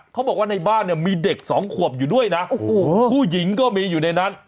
เขาบอกว่าในบ้านเนี่ยมีเด็กสองขวบอยู่ด้วยนะโอ้โหผู้หญิงก็มีอยู่ในนั้น